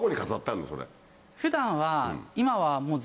普段は。